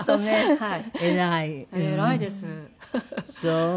はい。